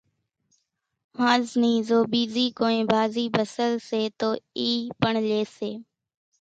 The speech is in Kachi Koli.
ۿانز نِي زو ٻيزي ڪونئين ڀازي ڀسل سي تو اِي پڻ لئي سي